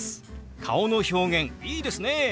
顔の表現いいですね。